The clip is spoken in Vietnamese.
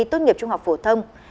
tốt nghiệp trung học phổ thông